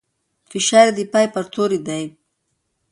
فشار يې د پای پر توري دی.